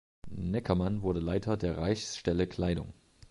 Neckermann wurde Leiter der "Reichsstelle Kleidung".